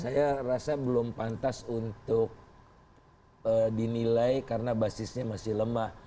saya rasa belum pantas untuk dinilai karena basisnya masih lemah